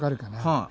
はい。